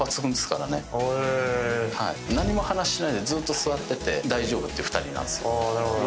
何も話しないでずっと座ってて大丈夫っていう２人。